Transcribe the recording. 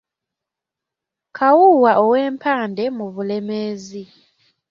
Kawuuwa ow'e Mpande mu Bulemeezi.